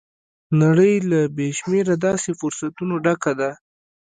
نړۍ له بې شمېره داسې فرصتونو ډکه ده.